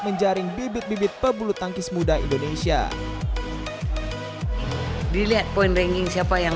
menjaring bibit bibit pebulu tangkis muda indonesia dilihat poin ranking siapa yang